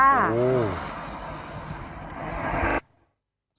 โอ้โห